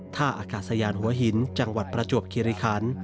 ท่าอากาศยานหัวหินจังหวัดประจวบคิริคัน